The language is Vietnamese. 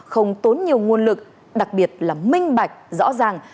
không tốn nhiều nguồn lực đặc biệt là minh bạch rõ ràng